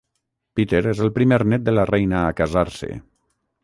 Peter és el primer nét de la Reina a casar-se.